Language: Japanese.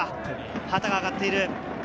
旗が上がっている。